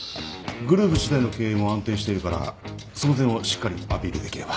グループ自体の経営も安定してるからその点をしっかりアピールできれば。